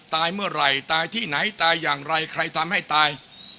ตายเมื่อไหร่ตายที่ไหนตายอย่างไรใครทำให้ตาย